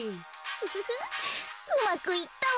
ウフフうまくいったわ。